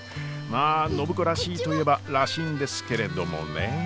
まあ暢子らしいといえばらしいんですけれどもねえ。